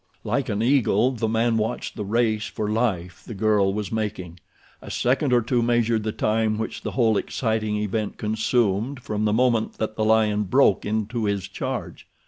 Like an eagle the man watched the race for life the girl was making. A second or two measured the time which the whole exciting event consumed from the moment that the lion broke into his charge.